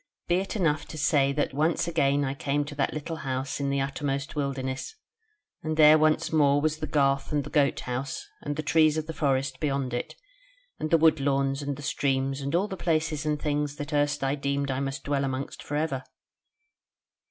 Be it enough to say that once again I came to that little house in the uttermost wilderness, and there once more was the garth and the goat house, and the trees of the forest beyond it, and the wood lawns and the streams and all the places and things that erst I deemed I must dwell amongst for ever."